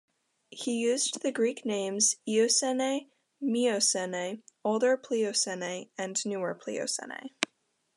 He used Greek names: Eocene, Miocene, Older Pliocene and Newer Pliocene.